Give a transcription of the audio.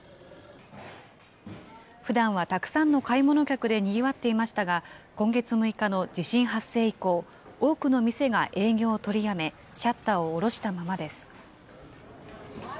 ふだんはたくさんの買い物客でにぎわっていましたが、今月６日の地震発生以降、多くの店が営業を取りやめ、シャッターを下ろしたままです。